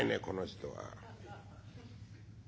この人は」。